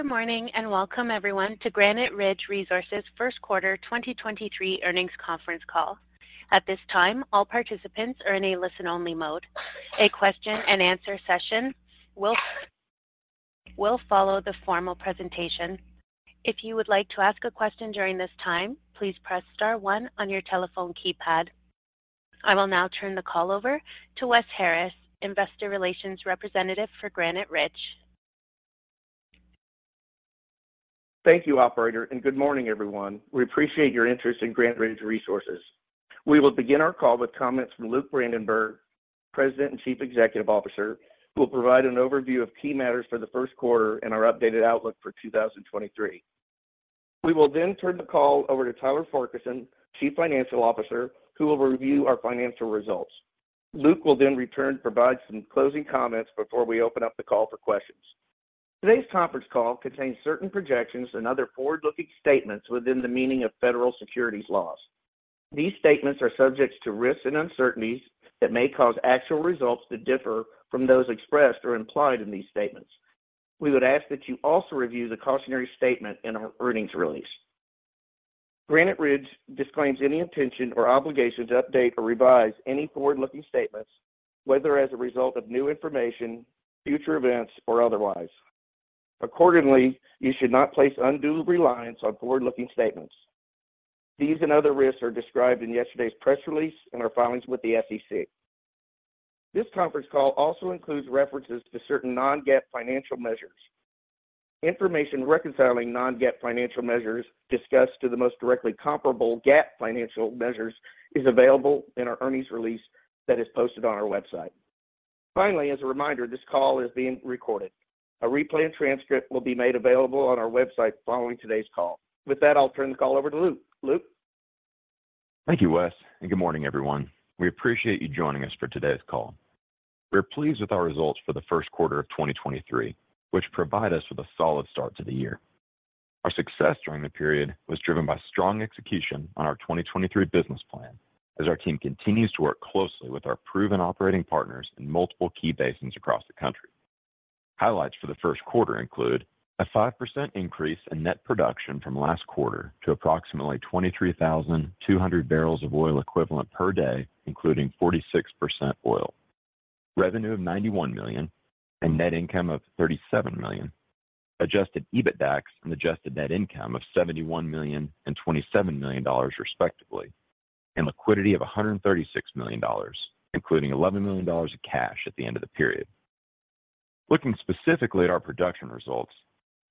Good morning and welcome everyone to Granite Ridge Resources first quarter 2023 earnings conference call. At this time, all participants are in a listen-only mode. A question and answer session will follow the formal presentation. If you would like to ask a question during this time, please press star one on your telephone keypad. I will now turn the call over to Wes Harris, investor relations representative for Granite Ridge. Thank you, operator, good morning, everyone. We appreciate your interest in Granite Ridge Resources. We will begin our call with comments from Luke Brandenberger, President and Chief Executive Officer, who will provide an overview of key matters for the first quarter and our updated outlook for 2023. We will turn the call over to Tyler Farquharson, Chief Financial Officer, who will review our financial results. Luke will return to provide some closing comments before we open up the call for questions. Today's conference call contains certain projections and other forward-looking statements within the meaning of Federal securities laws. These statements are subject to risks and uncertainties that may cause actual results to differ from those expressed or implied in these statements. We would ask that you also review the cautionary statement in our earnings release. Granite Ridge disclaims any intention or obligation to update or revise any forward-looking statements, whether as a result of new information, future events or otherwise. Accordingly, you should not place undue reliance on forward-looking statements. These and other risks are described in yesterday's press release and our filings with the SEC. This conference call also includes references to certain non-GAAP financial measures. Information reconciling non-GAAP financial measures discussed to the most directly comparable GAAP financial measures is available in our earnings release that is posted on our website. Finally, as a reminder, this call is being recorded. A replay and transcript will be made available on our website following today's call. With that, I'll turn the call over to Luke. Luke? Thank you, Wes. Good morning, everyone. We appreciate you joining us for today's call. We're pleased with our results for the first quarter of 2023, which provide us with a solid start to the year. Our success during the period was driven by strong execution on our 2023 business plan as our team continues to work closely with our proven operating partners in multiple key basins across the country. Highlights for the first quarter include a 5% increase in net production from last quarter to approximately 23,200 barrels of oil equivalent per day, including 46% oil. Revenue of $91 million and net income of $37 million. Adjusted EBITDAX and adjusted net income of $71 million and $27 million, respectively, and liquidity of $136 million, including $11 million of cash at the end of the period. Looking specifically at our production results,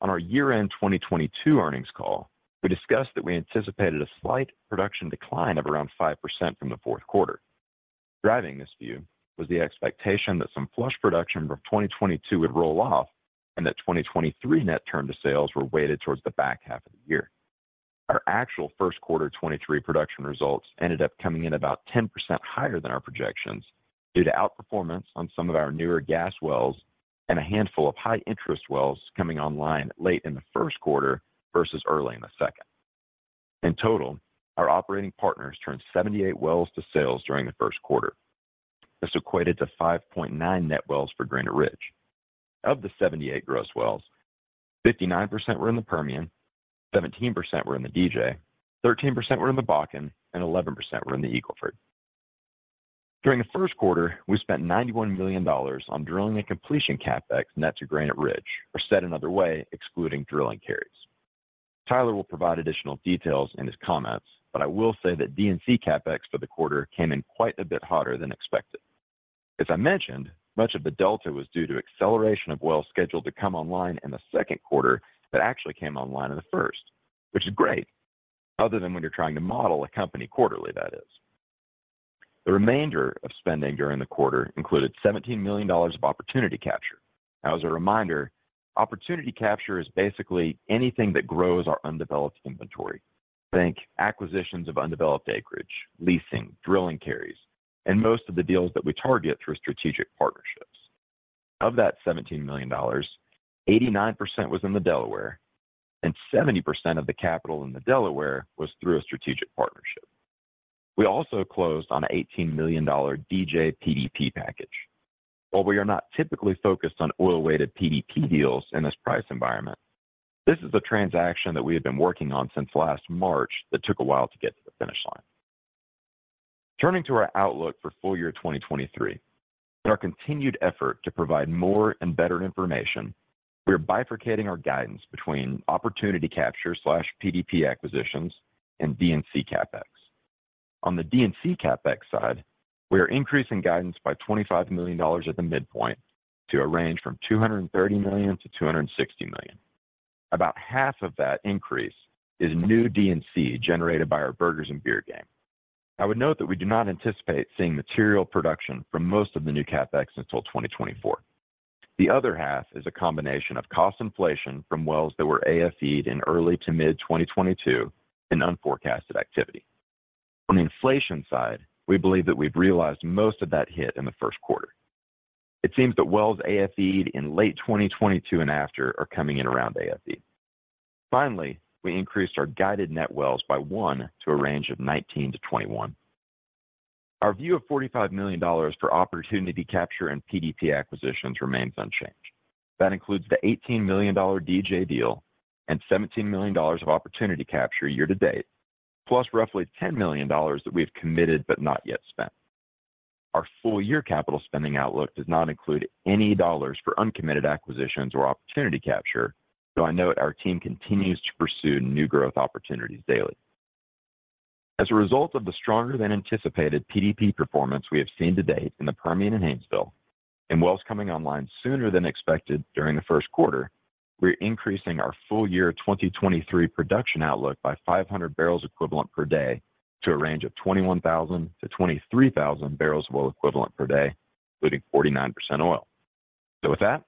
on our year-end 2022 earnings call, we discussed that we anticipated a slight production decline of around 5% from the fourth quarter. Driving this view was the expectation that some flush production from 2022 would roll off and that 2023 net turn to sales were weighted towards the back half of the year. Our actual first quarter 2023 production results ended up coming in about 10% higher than our projections due to outperformance on some of our newer gas wells and a handful of high-interest wells coming online late in the first quarter versus early in the second. In total, our operating partners turned 78 wells to sales during the first quarter. This equated to 5.9 net wells for Granite Ridge. Of the 78 gross wells, 59% were in the Permian, 17% were in the DJ, 13% were in the Bakken, and 11% were in the Eagle Ford. During the first quarter, we spent $91 million on drilling and completion CapEx net to Granite Ridge, or said another way, excluding drilling carries. Tyler will provide additional details in his comments. I will say that D&C CapEx for the quarter came in quite a bit hotter than expected. As I mentioned, much of the delta was due to acceleration of wells scheduled to come online in the second quarter that actually came online in the first, which is great, other than when you're trying to model a company quarterly, that is. The remainder of spending during the quarter included $17 million of opportunity capture. As a reminder, opportunity capture is basically anything that grows our undeveloped inventory. Think acquisitions of undeveloped acreage, leasing, drilling carries, and most of the deals that we target through strategic partnerships. Of that $17 million, 89% was in the Delaware, 70% of the capital in the Delaware was through a strategic partnership. We also closed on an $18 million DJ PDP package. While we are not typically focused on oil-weighted PDP deals in this price environment, this is a transaction that we have been working on since last March that took a while to get to the finish line. Turning to our outlook for full year 2023. In our continued effort to provide more and better information, we are bifurcating our guidance between opportunity capture/PDP acquisitions and D&C CapEx. On the D&C CapEx side, we are increasing guidance by $25 million at the midpoint to a range from $230 million-$260 million. About half of that increase is new D&C generated by our burgers and beer game. I would note that we do not anticipate seeing material production from most of the new CapEx until 2024. The other half is a combination of cost inflation from wells that were AFE'd in early to mid 2022 and unforecasted activity. On the inflation side, we believe that we've realized most of that hit in the first quarter. It seems that wells AFE'd in late 2022 and after are coming in around AFE. Finally, we increased our guided net wells by one to a range of 19-21. Our view of $45 million for opportunity capture and PDP acquisitions remains unchanged. That includes the $18 million DJ deal and $17 million of opportunity capture year to date, plus roughly $10 million that we have committed but not yet spent. Our full year capital spending outlook does not include any dollars for uncommitted acquisitions or opportunity capture, though I note our team continues to pursue new growth opportunities daily. As a result of the stronger than anticipated PDP performance we have seen to date in the Permian and Haynesville, and wells coming online sooner than expected during the first quarter, we're increasing our full year 2023 production outlook by 500 barrels equivalent per day to a range of 21,000-23,000 barrels of oil equivalent per day, including 49% oil. With that,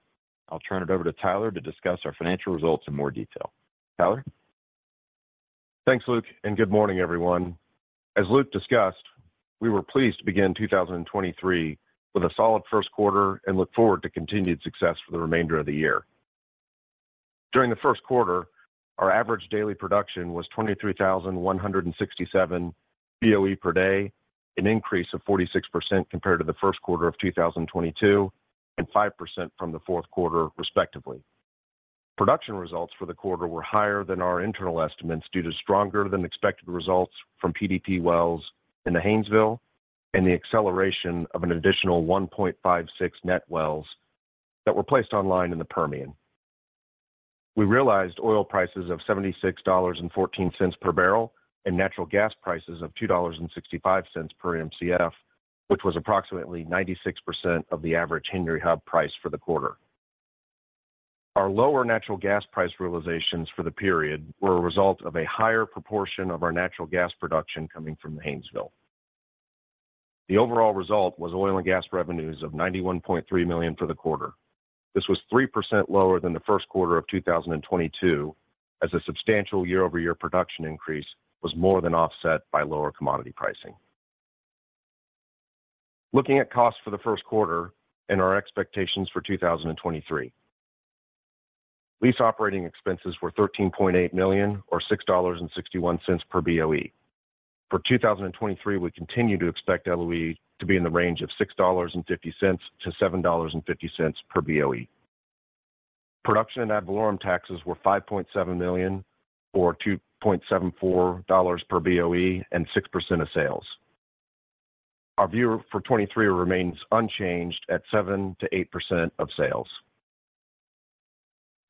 I'll turn it over to Tyler to discuss our financial results in more detail. Tyler. Thanks, Luke. Good morning, everyone. As Luke discussed, we were pleased to begin 2023 with a solid first quarter and look forward to continued success for the remainder of the year. During the first quarter, our average daily production was 23,167 BOE per day, an increase of 46% compared to the first quarter of 2022, and 5% from the fourth quarter, respectively. Production results for the quarter were higher than our internal estimates due to stronger than expected results from PDP wells in the Haynesville and the acceleration of an additional 1.56 net wells that were placed online in the Permian. We realized oil prices of $76.14 per barrel and natural gas prices of $2.65 per Mcf, which was approximately 96% of the average Henry Hub price for the quarter. Our lower natural gas price realizations for the period were a result of a higher proportion of our natural gas production coming from the Haynesville. The overall result was oil and gas revenues of $91.3 million for the quarter. This was 3% lower than the first quarter of 2022, as a substantial year-over-year production increase was more than offset by lower commodity pricing. Looking at costs for the first quarter and our expectations for 2023. Lease operating expenses were $13.8 million or $6.61 per BOE. For 2023, we continue to expect LOE to be in the range of $6.50-$7.50 per BOE. Production and ad valorem taxes were $5.7 million or $2.74 per BOE and 6% of sales. Our view for 2023 remains unchanged at 7%-8% of sales.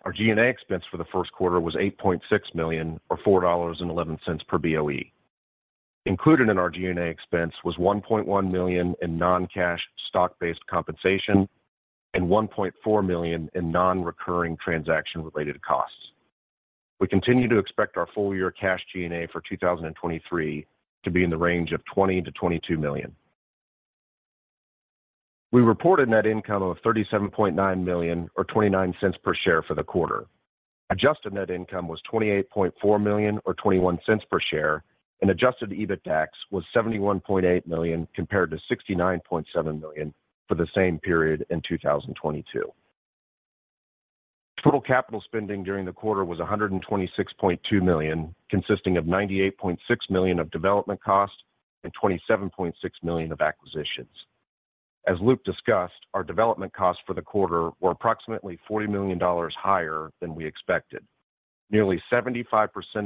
Our G&A expense for the first quarter was $8.6 million or $4.11 per BOE. Included in our G&A expense was $1.1 million in non-cash stock-based compensation and $1.4 million in non-recurring transaction related costs. We continue to expect our full year cash G&A for 2023 to be in the range of $20 million-$22 million. We reported net income of $37.9 million or $0.29 per share for the quarter. Adjusted net income was $28.4 million or $0.21 per share. Adjusted EBITDAX was $71.8 million compared to $69.7 million for the same period in 2022. Total capital spending during the quarter was $126.2 million, consisting of $98.6 million of development costs and $27.6 million of acquisitions. As Luke discussed, our development costs for the quarter were approximately $40 million higher than we expected. Nearly 75%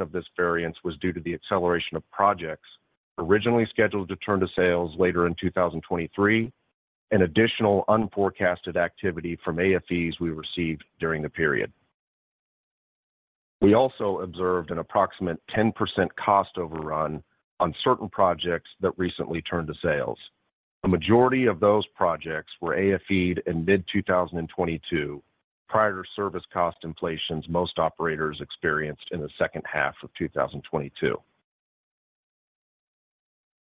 of this variance was due to the acceleration of projects originally scheduled to turn to sales later in 2023, an additional unforecasted activity from AFEs we received during the period. We also observed an approximate 10% cost overrun on certain projects that recently turned to sales. A majority of those projects were AFEd in mid-2022 prior to service cost inflations most operators experienced in the second half of 2022.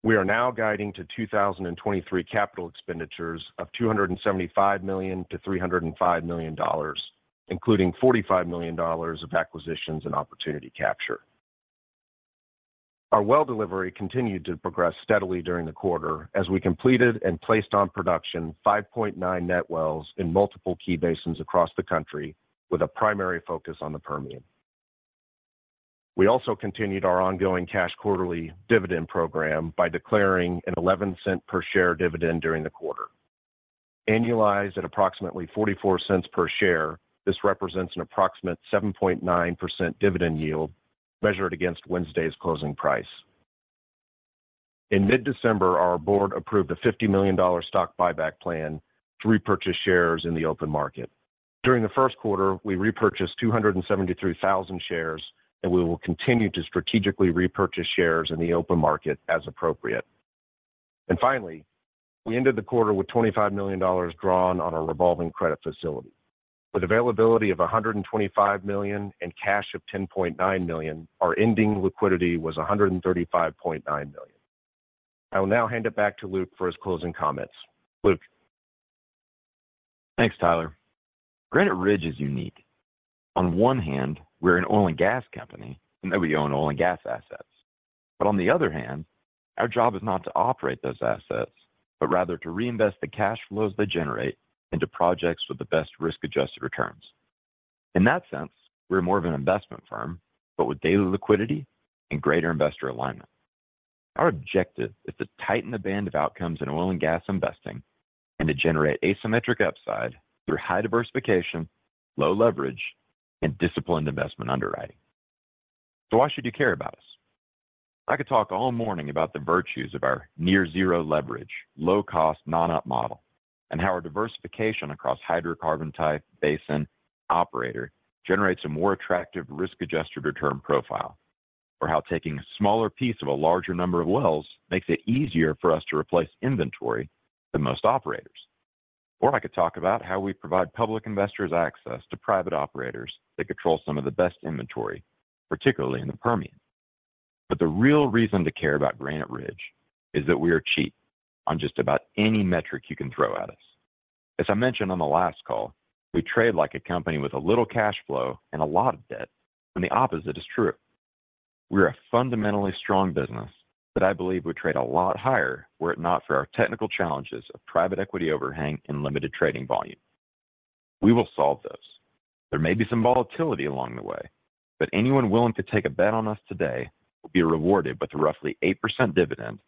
We are now guiding to 2023 capital expenditures of $275 million-$305 million, including $45 million of acquisitions and opportunity capture. Our well delivery continued to progress steadily during the quarter as we completed and placed on production 5.9 net wells in multiple key basins across the country with a primary focus on the Permian. We also continued our ongoing cash quarterly dividend program by declaring a $0.11 per share dividend during the quarter. Annualized at approximately $0.44 per share, this represents an approximate 7.9% dividend yield measured against Wednesday's closing price. In mid-December, our board approved a $50 million stock buyback plan to repurchase shares in the open market. During the first quarter, we repurchased 273,000 shares. We will continue to strategically repurchase shares in the open market as appropriate. Finally, we ended the quarter with $25 million drawn on our revolving credit facility. With availability of $125 million and cash of $10.9 million, our ending liquidity was $135.9 million. I will now hand it back to Luke for his closing comments. Luke. Thanks, Tyler. Granite Ridge is unique. On one hand, we're an oil and gas company, and that we own oil and gas assets. On the other hand, our job is not to operate those assets, but rather to reinvest the cash flows they generate into projects with the best risk-adjusted returns. In that sense, we're more of an investment firm, but with daily liquidity and greater investor alignment. Our objective is to tighten the band of outcomes in oil and gas investing and to generate asymmetric upside through high diversification, low leverage, and disciplined investment underwriting. Why should you care about us? I could talk all morning about the virtues of our near zero leverage, low cost, non-op model, and how our diversification across hydrocarbon type, basin, operator generates a more attractive risk-adjusted return profile. How taking a smaller piece of a larger number of wells makes it easier for us to replace inventory than most operators. I could talk about how we provide public investors access to private operators that control some of the best inventory, particularly in the Permian. The real reason to care about Granite Ridge is that we are cheap on just about any metric you can throw at us. As I mentioned on the last call, we trade like a company with a little cash flow and a lot of debt, when the opposite is true. We're a fundamentally strong business that I believe would trade a lot higher were it not for our technical challenges of private equity overhang and limited trading volume. We will solve this. There may be some volatility along the way. Anyone willing to take a bet on us today will be rewarded with a roughly 8% dividend.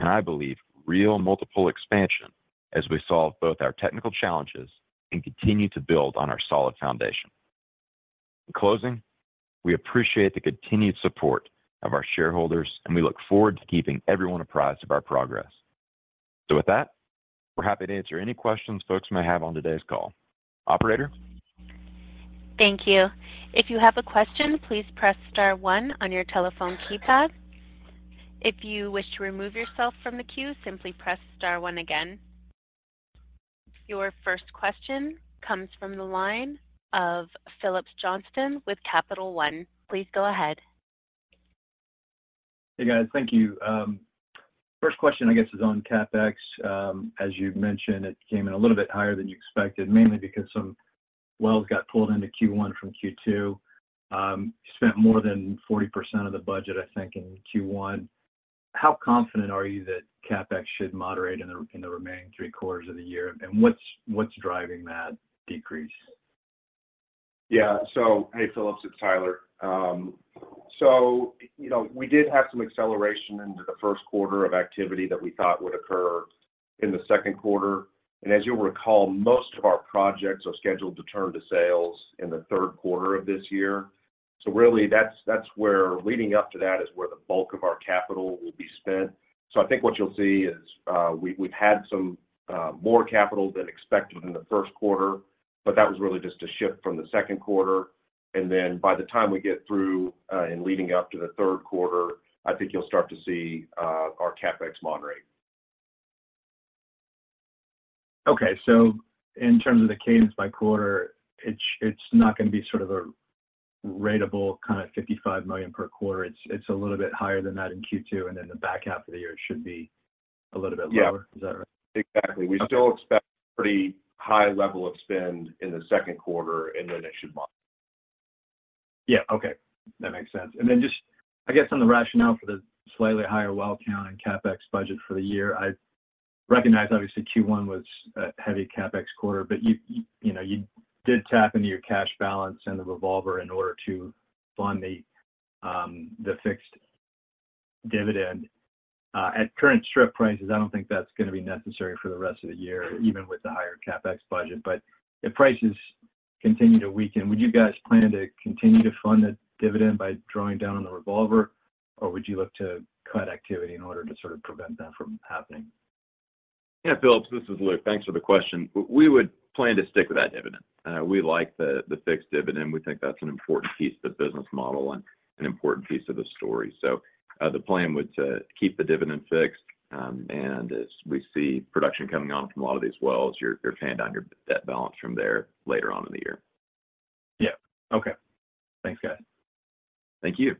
I believe real multiple expansion as we solve both our technical challenges and continue to build on our solid foundation. In closing, we appreciate the continued support of our shareholders. We look forward to keeping everyone apprised of our progress. With that, we're happy to answer any questions folks may have on today's call. Operator? Thank you. If you have a question, please press star one on your telephone keypad. If you wish to remove yourself from the queue, simply press star one again. Your first question comes from the line of Phillips Johnston with Capital One. Please go ahead. Hey, guys. Thank you. First question, I guess, is on CapEx. As you've mentioned, it came in a little bit higher than you expected, mainly because some wells got pulled into Q1 from Q2. Spent more than 40% of the budget, I think, in Q1. How confident are you that CapEx should moderate in the remaining three quarters of the year? What's driving that decrease? Yeah. Hey, Phillips. It's Tyler. You know, we did have some acceleration into the first quarter of activity that we thought would occur in the second quarter. As you'll recall, most of our projects are scheduled to turn to sales in the third quarter of this year. Really, that's where leading up to that is where the bulk of our capital will be spent. I think what you'll see is we've had some more capital than expected in the first quarter, but that was really just a shift from the second quarter. By the time we get through in leading up to the third quarter, I think you'll start to see our CapEx moderate. In terms of the cadence by quarter, it's not going to be sort of a ratable kind of $55 million per quarter. It's a little bit higher than that in Q2, the back half of the year should be a little bit lower. Yeah. Is that right? Exactly. Okay. We still expect pretty high level of spend in the second quarter and then it should moderate. Yeah. Okay. That makes sense. Then just, I guess, on the rationale for the slightly higher well count and CapEx budget for the year, I recognize obviously Q1 was a heavy CapEx quarter, but you know, you did tap into your cash balance and the revolver in order to fund the fixed dividend. At current strip prices, I don't think that's gonna be necessary for the rest of the year, even with the higher CapEx budget. If prices continue to weaken, would you guys plan to continue to fund the dividend by drawing down on the revolver, or would you look to cut activity in order to sort of prevent that from happening? Yeah, Phillips, this is Luke. Thanks for the question. We would plan to stick with that dividend. We like the fixed dividend. We think that's an important piece of the business model and an important piece of the story. The plan would to keep the dividend fixed, and as we see production coming on from a lot of these wells, you're paying down your debt balance from there later on in the year. Yeah. Okay. Thanks, guys. Thank you.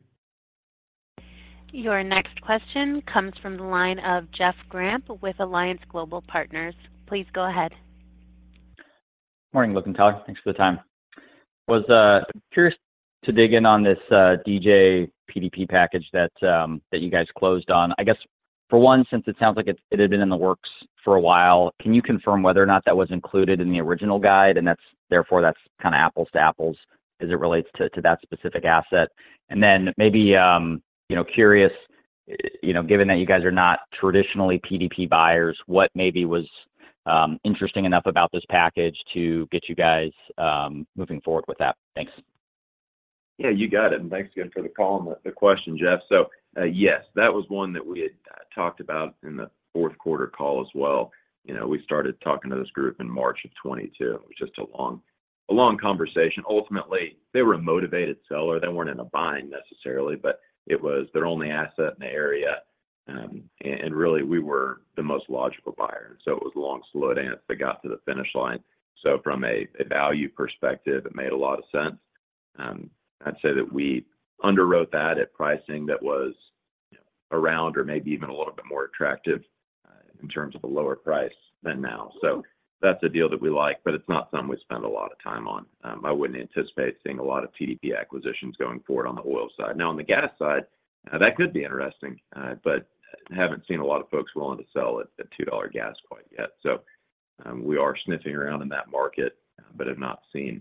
Your next question comes from the line of Jeff Grampp with Alliance Global Partners. Please go ahead. Morning, Luke Brandenberger and Tyler Farquharson. Thanks for the time. Was curious to dig in on this DJ PDP package that you guys closed on? I guess for one, since it sounds like it had been in the works for a while, can you confirm whether or not that was included in the original guide and therefore, that's kind of apples to apples as it relates to that specific asset? Then maybe, you know, curious, you know, given that you guys are not traditionally PDP buyers, what maybe was interesting enough about this package to get you guys moving forward with that? Thanks. Yeah, you got it. Thanks again for the call and the question, Jeff. Yes, that was one that we had talked about in the fourth quarter call as well. You know, we started talking to this group in March of 2022, which is a long conversation. Ultimately, they were a motivated seller. They weren't in a bind necessarily, but it was their only asset in the area. And really we were the most logical buyer, so it was a long, slow dance that got to the finish line. From a value perspective, it made a lot of sense. I'd say that we underwrote that at pricing that was around or maybe even a little bit more attractive in terms of the lower price than now. That's a deal that we like, but it's not something we spend a lot of time on. I wouldn't anticipate seeing a lot of PDP acquisitions going forward on the oil side. On the gas side, that could be interesting, but haven't seen a lot of folks willing to sell at $2 gas quite yet. We are sniffing around in that market but have not seen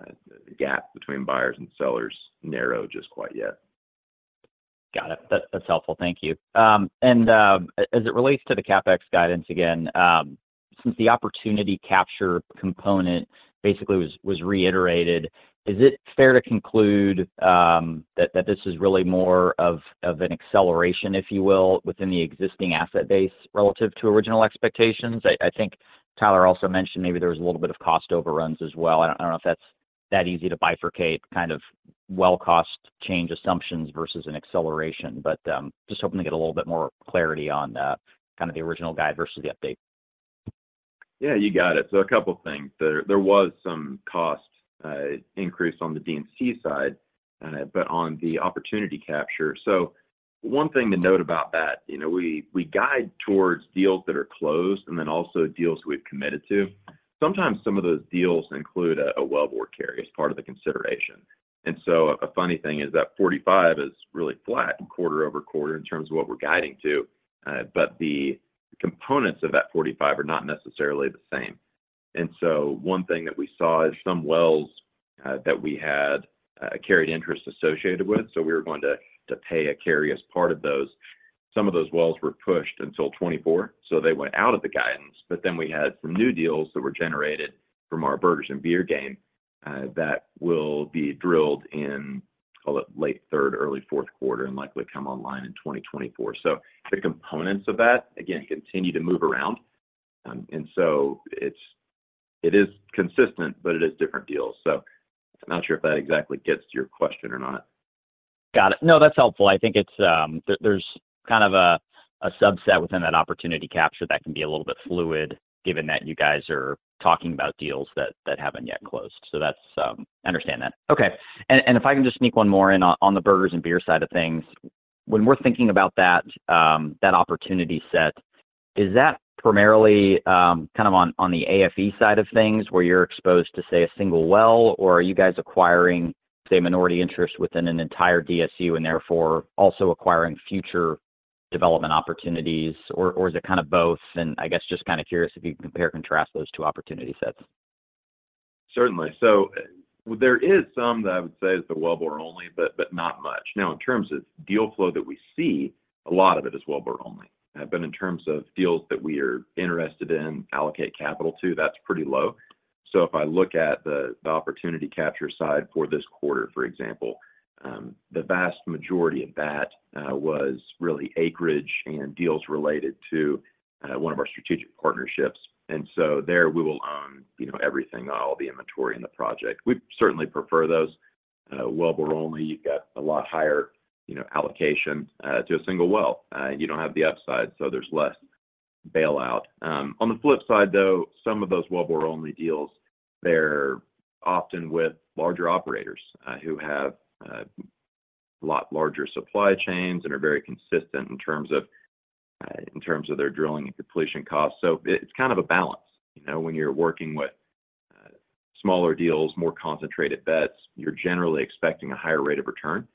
a gap between buyers and sellers narrow just quite yet. Got it. That's helpful. Thank you. As it relates to the CapEx guidance again, since the opportunity capture component basically was reiterated, is it fair to conclude that this is really more of an acceleration, if you will, within the existing asset base relative to original expectations? I think Tyler Farquharson also mentioned maybe there was a little bit of cost overruns as well. I don't know if that's that easy to bifurcate kind of well cost change assumptions versus an acceleration, but just hoping to get a little bit more clarity on kind of the original guide versus the update. Yeah, you got it. A couple things. There was some cost increase on the D&C side, but on the opportunity capture... One thing to note about that, you know, we guide towards deals that are closed and then also deals we've committed to. Sometimes some of those deals include a wellbore carry as part of the consideration. A funny thing is that 45 is really flat quarter-over-quarter in terms of what we're guiding to. The components of that 45 are not necessarily the same. One thing that we saw is some wells that we had a carried interest associated with, so we were going to pay a carry as part of those. Some of those wells were pushed until 2024, so they went out of the guidance. We had some new deals that were generated from our burgers-and-beer game, that will be drilled in, call it, late third, early fourth quarter and likely come online in 2024. The components of that, again, continue to move around. It is consistent, but it is different deals. I'm not sure if that exactly gets to your question or not. Got it. No, that's helpful. I think it's there's kind of a subset within that opportunity capture that can be a little bit fluid given that you guys are talking about deals that haven't yet closed. So that's... I understand that. Okay. If I can just sneak one more in on the burgers and beer side of things. When we're thinking about that opportunity set, is that primarily, kind of on the AFE side of things where you're exposed to, say, a single well? Or are you guys acquiring, say, minority interest within an entire DSU and therefore also acquiring future development opportunities or is it kind of both? I guess just kind of curious if you can compare and contrast those two opportunity sets. Certainly. There is some that I would say is the wellbore only, but not much. Now in terms of deal flow that we see, a lot of it is wellbore only. In terms of deals that we are interested in allocate capital to, that's pretty low. If I look at the opportunity capture side for this quarter, for example, the vast majority of that was really acreage and deals related to one of our strategic partnerships. There we will own, you know, everything, all the inventory in the project. We certainly prefer those. Wellbore only, you've got a lot higher, you know, allocation to a single well. You don't have the upside, so there's less bailout. On the flip side, though, some of those wellbore only deals, they're often with larger operators, who have a lot larger supply chains and are very consistent in terms of their drilling and completion costs. It's kind of a balance. You know, when you're working with smaller deals, more concentrated bets, you're generally expecting a higher rate of return,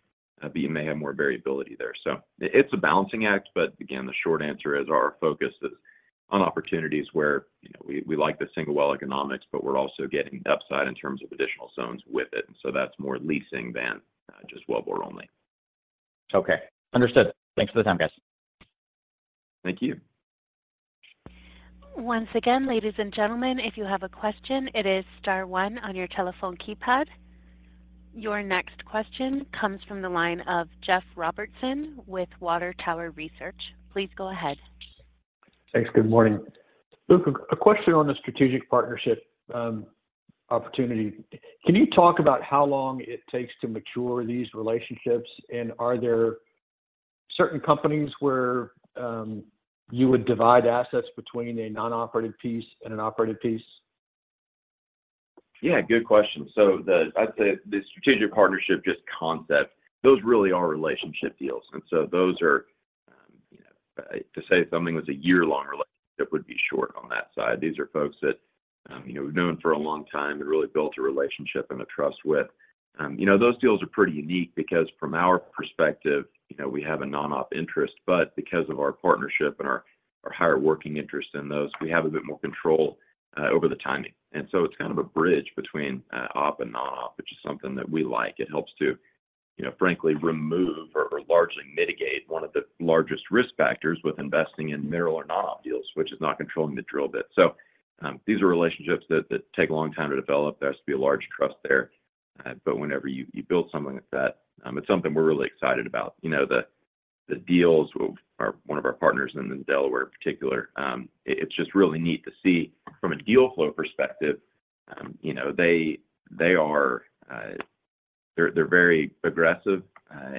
but you may have more variability there. It's a balancing act. Again, the short answer is our focus is on opportunities where, you know, we like the single well economics, but we're also getting upside in terms of additional zones with it. That's more leasing than just wellbore only. Okay. Understood. Thanks for the time, guys. Thank you. Once again, ladies and gentlemen, if you have a question, it is star one on your telephone keypad. Your next question comes from the line of Jeff Robertson with Water Tower Research. Please go ahead. Thanks. Good morning. Luke, a question on the strategic partnership opportunity. Can you talk about how long it takes to mature these relationships? Are there certain companies where you would divide assets between a non-operated piece and an operated piece? Yeah, good question. I'd say the strategic partnership, just concept, those really are relationship deals. Those are, you know, to say something was a year-long relationship would be short on that side. These are folks that, you know, we've known for a long time and really built a relationship and a trust with. You know, those deals are pretty unique because from our perspective, you know, we have a non-op interest, but because of our partnership and our higher working interest in those, we have a bit more control over the timing. It's kind of a bridge between op and non-op, which is something that we like. It helps to, you know, frankly, remove or largely mitigate one of the largest risk factors with investing in mineral or non-op deals, which is not controlling the drill bit. These are relationships that take a long time to develop. There has to be a large trust there. Whenever you build something like that, it's something we're really excited about. You know, the deals with one of our partners in Delaware in particular, it's just really neat to see from a deal flow perspective, you know, they are, they're very aggressive,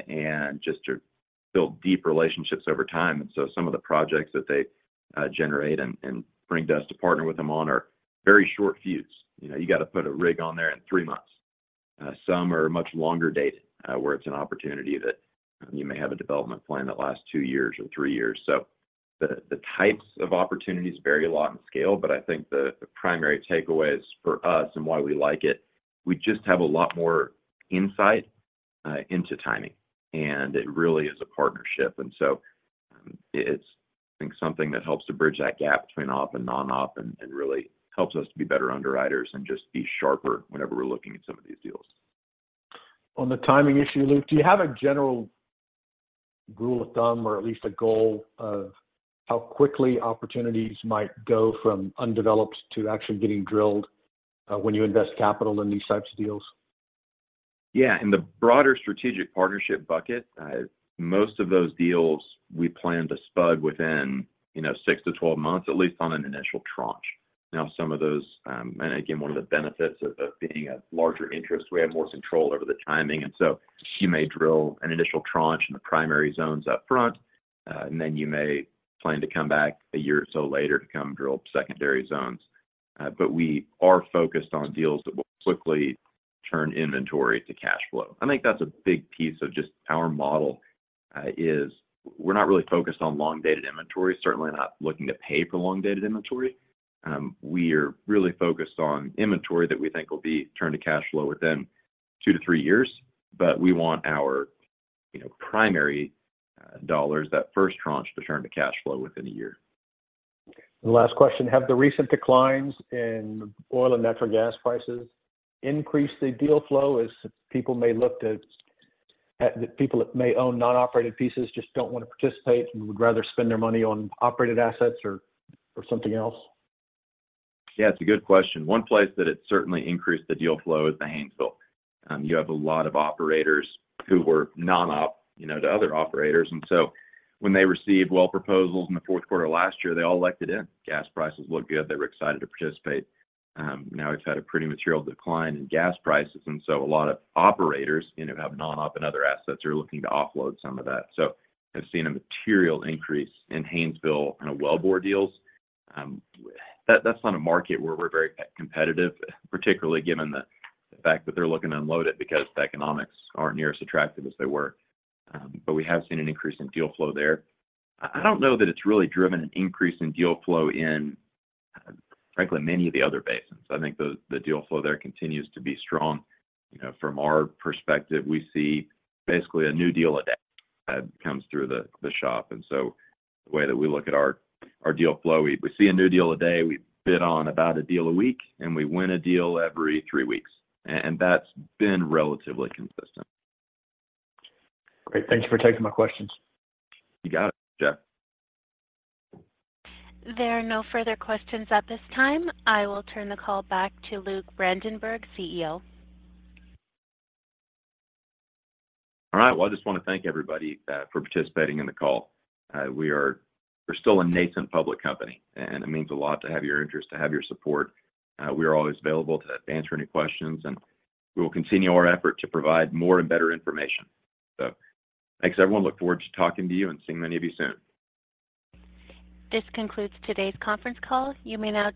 and just to build deep relationships over time. Some of the projects that they generate and bring to us to partner with them on are very short fuse. You know, you got to put a rig on there in three months. Some are much longer date, where it's an opportunity that you may have a development plan that lasts two years or three years. The, the types of opportunities vary a lot in scale, but I think the primary takeaway is for us and why we like it, we just have a lot more insight into timing, and it really is a partnership. It's, I think something that helps to bridge that gap between op and non-op and really helps us to be better underwriters and just be sharper whenever we're looking at some of these deals. On the timing issue, Luke, do you have a general rule of thumb or at least a goal of how quickly opportunities might go from undeveloped to actually getting drilled, when you invest capital in these types of deals? Yeah. In the broader strategic partnership bucket, most of those deals we plan to spud within, you know, six-12 months at least on an initial tranche. Now some of those. Again, one of the benefits of being a larger interest, we have more control over the timing. You may drill an initial tranche in the primary zones up front, and then you may plan to come back a year or so later to come drill secondary zones. We are focused on deals that will quickly turn inventory to cash flow. I think that's a big piece of just our model. We're not really focused on long-dated inventory, certainly not looking to pay for long-dated inventory. We are really focused on inventory that we think will be turned to cash flow within two-three years, but we want our, you know, primary, dollars, that first tranche to turn to cash flow within a year. Last question: Have the recent declines in oil and natural gas prices increased the deal flow as the people that may own non-operated pieces just don't want to participate and would rather spend their money on operated assets or something else? Yeah, it's a good question. One place that it certainly increased the deal flow is the Haynesville. You have a lot of operators who were non-op, you know, to other operators. When they received well proposals in the fourth quarter last year, they all elected in. Gas prices looked good. They were excited to participate. Now we've had a pretty material decline in gas prices, a lot of operators, you know, have non-op and other assets are looking to offload some of that. I've seen a material increase in Haynesville kind of well bore deals. That's not a market where we're very competitive, particularly given the fact that they're looking to unload it because the economics aren't near as attractive as they were. We have seen an increase in deal flow there. I don't know that it's really driven an increase in deal flow in, frankly, many of the other basins. I think the deal flow there continues to be strong. You know, from our perspective, we see basically a new deal a day that comes through the shop. The way that we look at our deal flow, we see a new deal a day. We bid on about a deal a week, and we win a deal every three weeks. That's been relatively consistent. Great. Thank you for taking my questions. You got it, Jeff. There are no further questions at this time. I will turn the call back to Luke Brandenberger, CEO. All right. Well, I just wanna thank everybody for participating in the call. We're still a nascent public company, and it means a lot to have your interest, to have your support. We are always available to answer any questions, and we will continue our effort to provide more and better information. Thanks everyone. Look forward to talking to you and seeing many of you soon. This concludes today's conference call. You may now.